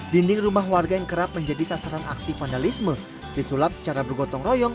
dinding rumah warga yang kerap menjadi sasaran aksi vandalisme disulap secara bergotong royong